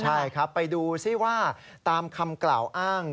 ใช่ครับไปดูซิว่าตามคำกล่าวอ้าง